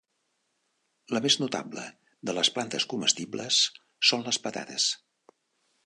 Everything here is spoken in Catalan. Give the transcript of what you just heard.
La més notable de les plantes comestibles són les patates.